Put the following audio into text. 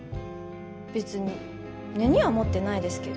別に根には持ってないですけど。